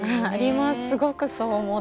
すごくそう思っていて。